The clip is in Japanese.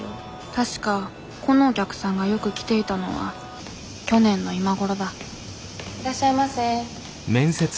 確かこのお客さんがよく来ていたのは去年の今頃だいらっしゃいませ。